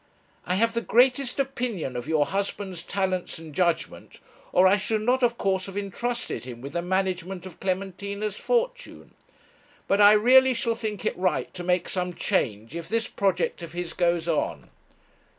I have the greatest opinion of your husband's talents and judgement, or I should not of course have entrusted him with the management of Clementina's fortune; but I really shall think it right to make some change if this project of his goes on.'